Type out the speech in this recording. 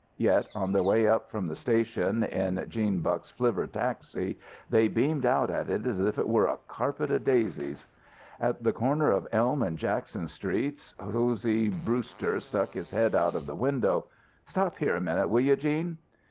Yet on their way up from the station in 'Gene Buck's flivver taxi, they beamed out at it as if it were a carpet of daisies. At the corner of Elm and Jackson Streets Hosey Brewster stuck his head out of the window. "Stop here a minute, will you, 'Gene?"